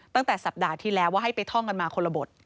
ตั้งแต่สัปดาห์ที่แล้วว่าให้ไปท่องกันมาคนละบท